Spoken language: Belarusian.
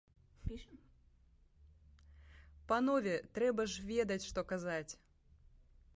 Панове, трэба ж ведаць, што казаць!